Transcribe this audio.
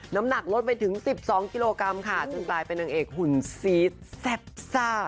น้ำหนักลดไปถึง๑๒กิโลกรัมค่ะจนกลายเป็นนางเอกหุ่นซีดแซ่บซ่า